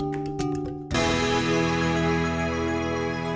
lalu kita menemukan keamanan yang lebih baik untuk mereka sendiri